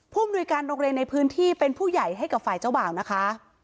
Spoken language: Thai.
มนุยการโรงเรียนในพื้นที่เป็นผู้ใหญ่ให้กับฝ่ายเจ้าบ่าวนะคะ